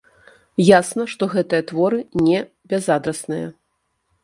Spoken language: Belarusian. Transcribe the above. Ясна, што гэтыя творы не бязадрасныя.